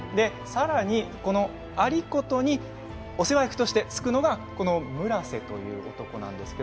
さらに有功に世話役としてつくのが村瀬という男なんです。